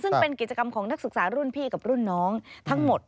ซึ่งเป็นกิจกรรมของนักศึกษารุ่นพี่กับรุ่นน้องทั้งหมด